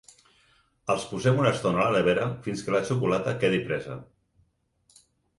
Els posem una estona a la nevera fins que la xocolata quedi presa.